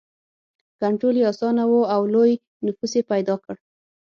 کنټرول یې اسانه و او لوی نفوس یې پیدا کړ.